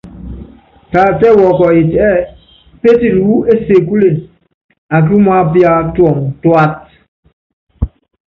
Taatɛ́ɛ wɔkɔyitɛ ɛ́ɛ́ pétili wú ésekúle akí umaápíá tuɔŋu tuáta.